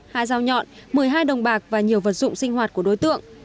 hai dao nhọn một mươi hai đồng bạc và nhiều vật dụng sinh hoạt của đối tượng